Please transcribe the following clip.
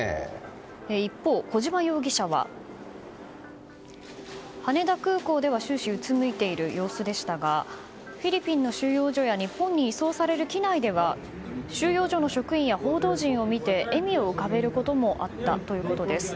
一方、小島容疑者は羽田空港では終始うつむいている様子でしたがフィリピンの収容所や日本に移送される機内では収容所の職員や報道陣を見て笑みを浮かべることもあったということです。